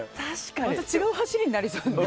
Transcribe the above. また違う走りになりそうだね。